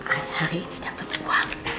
ai hari ini dapet uang